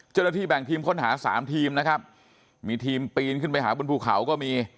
เจ้าหน้าที่แบ่งทีมค้นหาสามทีมนะครับมีทีมปีนขึ้นไปหาบนภูเขาก็มี